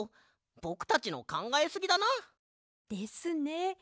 ぼくたちのかんがえすぎだな！ですね。